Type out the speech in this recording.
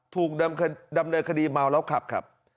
ถูกดำเนินคดีเมาแล้วขับครับ